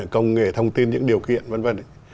công nghệ thông tin những điều kiện v v